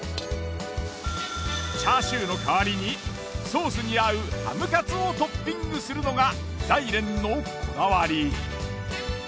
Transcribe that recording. チャーシューの代わりにソースに合うハムカツをトッピングするのが大輦のこだわり。